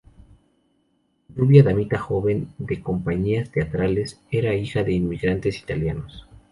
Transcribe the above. Rubia damita joven de compañías teatrales, era hija de inmigrantes italianos.